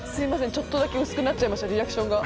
ちょっとだけ薄くなっちゃいましたリアクションが。